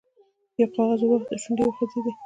یو کاغذ ور واخیست، شونډې یې وخوځېدې.